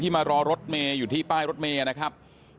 มารอรถเมย์อยู่ที่ป้ายรถเมย์นะครับ